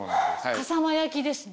笠間焼ですね。